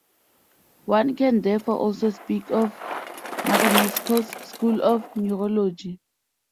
One can therefore also speak of Marinescu's School of Neurology.